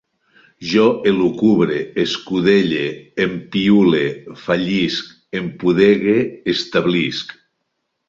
Jo elucubre, escudelle, empiule, fallisc, empudegue, establisc